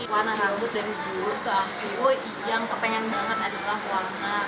warna rambut dari dulu ke aku yang kepengen banget adalah warna